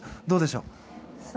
どうでしょう？